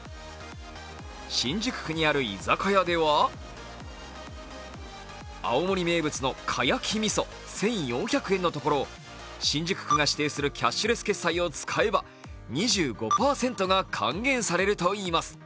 新宿区にある居酒屋では青森名物の貝焼き味噌１４００円のところを新宿区が指定するキャッシュレス決済を使えば２５％が還元されるといいます。